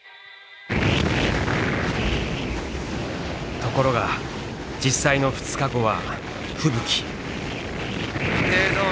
ところが実際の２日後は吹雪。